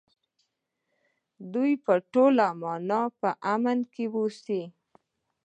دوی په ټوله مانا په امن کې اوسي.